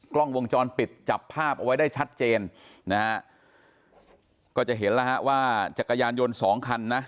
กล้องวงจรปิดจับภาพเอาไว้ได้ชัดเจนนะฮะก็จะเห็นแล้วฮะว่าจักรยานยนต์สองคันนะ